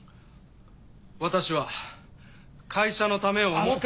私は会社のためを思って。